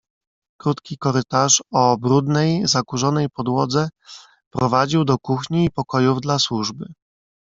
"Krótki korytarz, o brudnej, zakurzonej podłodze, prowadził do kuchni i pokojów dla służby."